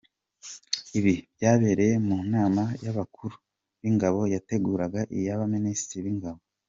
Ibi byabereye mu nama y’abakuru b’ingabo yateguraga iy’aba minisitiri b’ingabo.